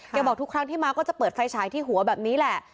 บอกทุกครั้งที่มาก็จะเปิดไฟฉายที่หัวแบบนี้แหละ